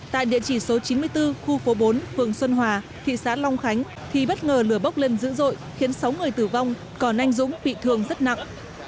tại địa chỉ số chín mươi bốn khu phố bốn phường xuân hòa thị xã long khánh thì bất ngờ lửa bốc lên dữ dội khiến sáu người tử vong còn anh dũng bị thương rất nặng